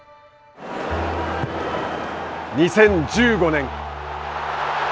２０１５年。